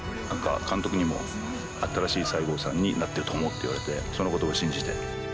何か監督にも新しい西郷さんになっていると思うって言われてその言葉信じて。